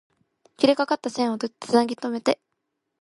切れかかった線を繋ぎとめて